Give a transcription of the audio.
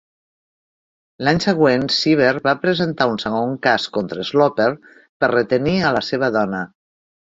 L'any següent Cibber va presentar un segon cas contra Sloper per "retenir" a la seva dona.